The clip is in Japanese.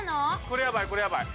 これやばい！